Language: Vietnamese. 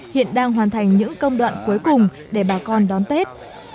hiện đang hoàn thành những công đoạn cuối cùng để bà con đón tết